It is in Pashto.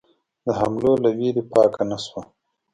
د حملو له وېرې پاکه نه شوه.